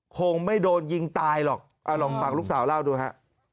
คงไม่โดนยิงตายหรอกลองฟังลูกสาวเล่าดูฮะ